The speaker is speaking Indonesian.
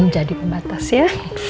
jadi pembatas ya